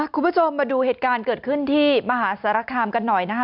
คุณผู้ชมมาดูเหตุการณ์เกิดขึ้นที่มหาสารคามกันหน่อยนะคะ